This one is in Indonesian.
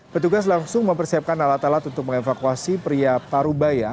petugas langsung mempersiapkan alat alat untuk mengevakuasi pria parubaya